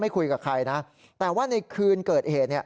ไม่คุยกับใครนะแต่ว่าในคืนเกิดเหตุ